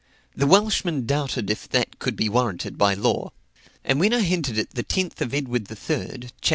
The Welshman doubted if that could be warranted by law. And when I hinted at the 10th of Edward III., chap.